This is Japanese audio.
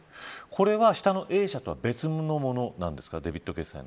これは下のＡ社とは別のものなんですか。